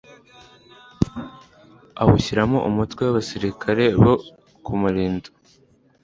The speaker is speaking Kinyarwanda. awushyiramo umutwe w'abasirikare bo kuwurinda